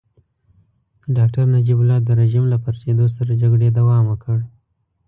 د ډاکټر نجیب الله د رژيم له پرزېدو سره جګړې دوام وکړ.